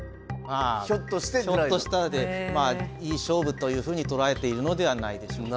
ひょっとしたらいい勝負というふうに捉えているのではないでしょうか。